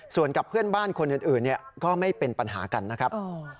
ส่วนกับเพื่อนบ้านคนอื่นก็ไม่เป็นปัญหากันนะครับ